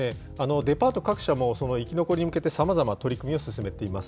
デパート各社も、生き残りに向けて、さまざま取り組みを進めています。